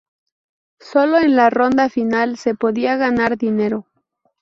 Sólo en la ronda final se podía ganar dinero.